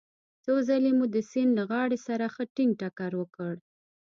څو ځلې مو د سیند له غاړې سره ښه ټينګ ټکر وکړ.